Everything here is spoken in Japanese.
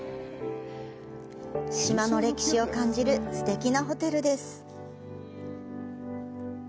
島の歴史を感じるすてきなホテルです。